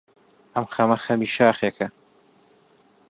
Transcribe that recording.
ئەم خەمە خەمی شاخێکە،